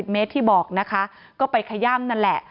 เมตรที่บอกนะคะก็ไปขย่ำนั่นแหละ